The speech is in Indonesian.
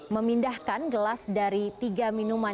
memindahkan gelas dari tiga minuman